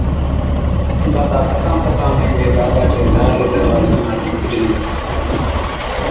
باتا ڪتان ڪتان ۾ وين باغا چي لارلي دَروازي کن آتِي پُجلين۔